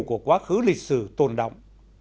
của quá khứ lịch sử tồn động